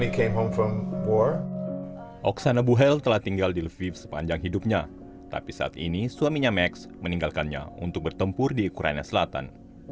karena bu hel telah tinggal di lviv sepanjang hidupnya tapi saat ini suaminya max meninggalkannya untuk bertempur di ukraina selatan